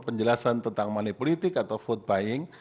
penjelasan tentang money politik atau vote buying